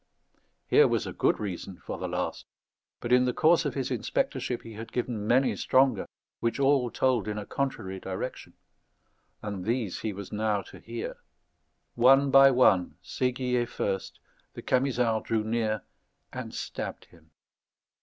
Here was a good reason for the last; but in the course of his inspectorship he had given many stronger which all told in a contrary direction; and these he was now to hear. One by one, Séguier first, the Camisards drew near and stabbed him.